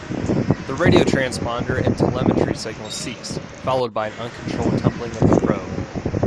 The radio transponder and telemetry signals ceased, followed by uncontrolled tumbling of the probe.